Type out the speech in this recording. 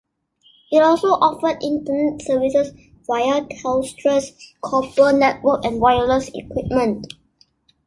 It also offered internet services via Telstra's copper network and wireless equipment.